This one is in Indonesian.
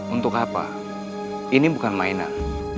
untuk apa ini bukan mainan